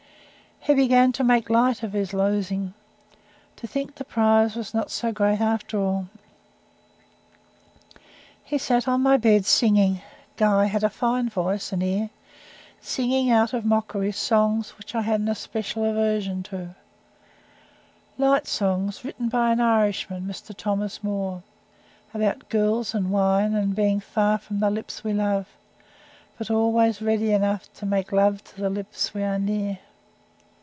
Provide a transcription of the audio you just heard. He began to make light of his losings to think the prize was not so great after all. He sat on my bed, singing Guy had a fine voice and ear singing out of mockery, songs which I had an especial aversion to light songs written by an Irishman, Mr. Thomas Moore, about girls and wine, and being "far from the lips we love," but always ready enough "to make love to the lips we are near."